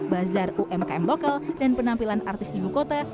bazar umkm lokal dan penampilan artis ibu kota